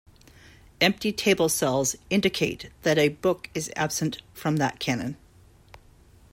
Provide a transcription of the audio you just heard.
Empty table cells indicate that a book is absent from that canon.